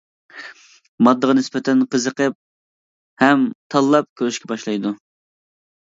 ماددىغا نىسبەتەن قىزىقىپ ھەم تاللاپ كۆرۈشكە باشلايدۇ.